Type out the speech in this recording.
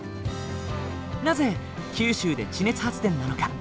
なぜ九州で地熱発電なのか？